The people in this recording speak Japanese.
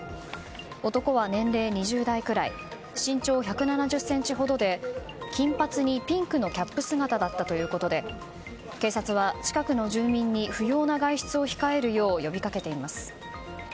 男は年齢２０代くらい身長１７０ｃｍほどで金髪にピンクのキャップ姿だったということで警察は近くの住民に不要な外出を控えるよう呼びかけています。